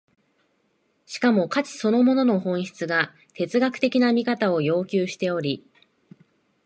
しかも価値そのものの本質が哲学的な見方を要求しており、